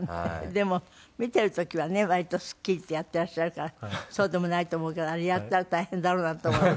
でも見ている時はね割とすっきりとやっていらっしゃるからそうでもないと思うけどあれやったら大変だろうなと思って。